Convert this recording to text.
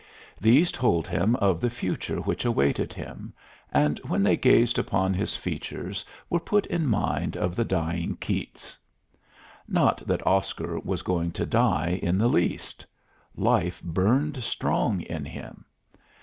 These told him of the future which awaited him, and when they gazed upon his features were put in mind of the dying Keats. Not that Oscar was going to die in the least. Life burned strong in him.